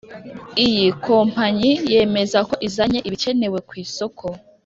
Iyi kompanyi yemeza ko izanye ibikenewe ku isoko